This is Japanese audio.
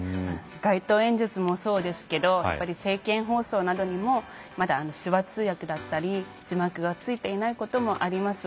街頭演説もそうですけどやっぱり政見放送などにもまだ手話通訳だったり字幕がついていないこともあります。